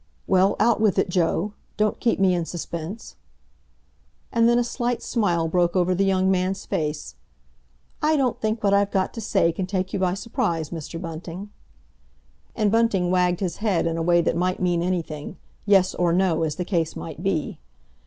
"Well, out with it, Joe! Don't keep me in suspense." And then a slight smile broke over the young man's face. "I don't think what I've got to say can take you by surprise, Mr. Bunting." And Bunting wagged his head in a way that might mean anything—yes or no, as the case might be.